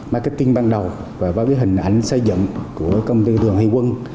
marketing ban đầu và cái hình ảnh xây dựng của công ty đường huy quân